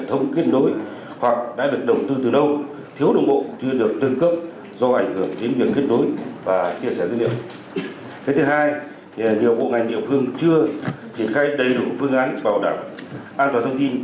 cái thứ hai thì nhiều bộ ngành địa phương chưa triển khai đầy đủ phương án bảo đảm an toàn thông tin